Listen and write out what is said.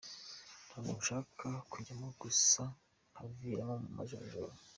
Ntabwo nshaka kujyamo gusa nkaviramo mu majonjora.